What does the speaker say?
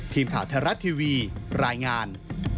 ทีมข่าวธรรมดาทีวีรายงาน